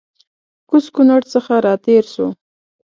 کوز کونړ څخه راتېر سوو